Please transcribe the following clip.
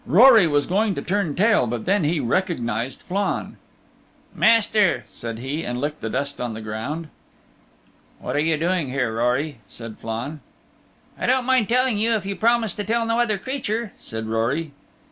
Rory was going to turn tail, but then he recognized Flann. "Master," said he, and he licked the dust on the ground. "What are you doing here, Rory?" said Flann. "I won't mind telling you if you promise to tell no other creature," said Rory.